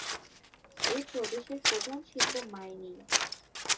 এ প্রদেশের প্রধান শিল্প মাইনিং।